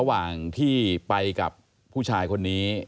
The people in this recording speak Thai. ระหว่างที่ไปกับผู้ชายคนนี้